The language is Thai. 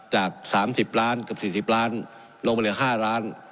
จากสามสิบล้านกับสี่สิบล้านลงมาเหลือห้าร้าน